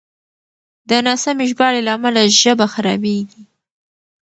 د ناسمې ژباړې له امله ژبه خرابېږي.